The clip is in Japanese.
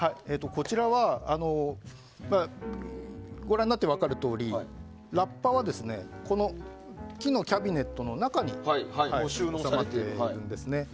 こちらはご覧になって分かるとおりラッパは木のキャビネットの中に収納されてるんですね。